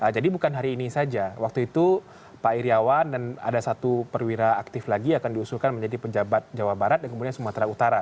jadi bukan hari ini saja waktu itu pak iryawan dan ada satu perwira aktif lagi akan diusulkan menjadi penjabat jawa barat dan kemudian sumatera utara